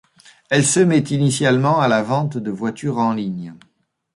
Elle se met initialement à la vente de voitures en-ligne.